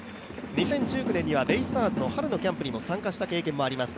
２０１９年にはベイスターズの春のキャンプにも参加した経験があります